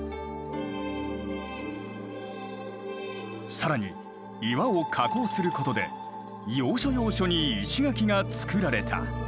更に岩を加工することで要所要所に石垣が造られた。